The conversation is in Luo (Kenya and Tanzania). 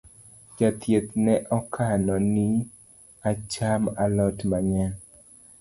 Jathieth ne okona ni acham alot mang’eny